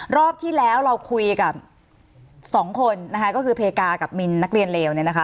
รอบที่แล้วเราคุยกับสองคนนะคะก็คือเพกากับมินนักเรียนเลวเนี่ยนะคะ